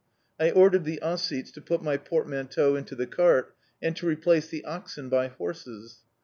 I ordered the Ossetes to put my portmanteau into the cart, and to replace the oxen by horses.